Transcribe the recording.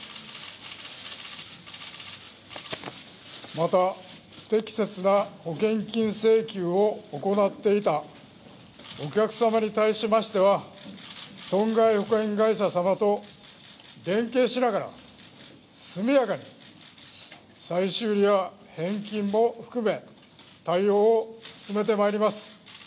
また不適切な保険金請求を行っていたお客様に対しましては損害保険会社様と連携しながら速やかに再修理や返金も含め対応を進めてまいります。